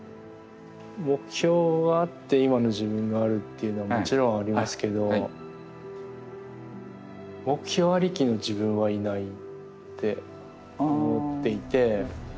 目標があって今の自分があるっていうのはもちろんありますけど目標ありきの自分はいないって思っていて。